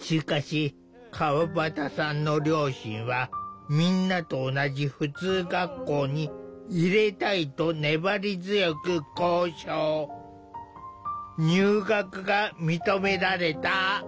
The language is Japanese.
しかし川端さんの両親はみんなと同じ普通学校に入れたいと粘り強く交渉入学が認められた。